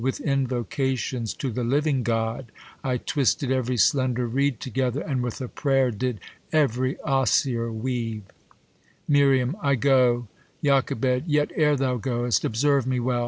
' VViih invocations to the living God, ^ 1 twisted every slender reed together. And with a prayer did cv'ry osier weave. Mir, I go. Joch, Yet ere thou go'st, observe me well.